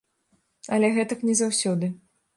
Але гэтак не заўсёды.